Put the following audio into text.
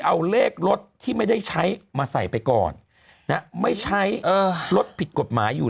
เอาเลขรถที่ไม่ได้ใช้มาใส่ไปก่อนไม่ใช้รถผิดกฎหมายอยู่